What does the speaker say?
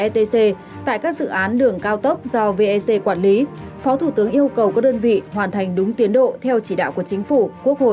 stc tại các dự án đường cao tốc do vec quản lý phó thủ tướng yêu cầu các đơn vị hoàn thành đúng tiến độ theo chỉ đạo của chính phủ quốc hội